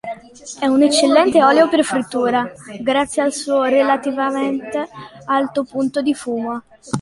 È un eccellente olio per frittura grazie al suo relativamente alto punto di fumo.